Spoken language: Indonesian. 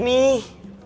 bukan disikat begini